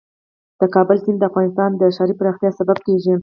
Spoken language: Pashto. د کابل سیند د افغانستان د ښاري پراختیا سبب کېږي.